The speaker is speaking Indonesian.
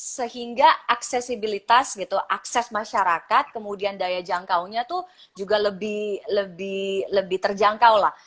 sehingga aksesibilitas gitu akses masyarakat kemudian daya jangkaunya itu juga lebih terjangkau lah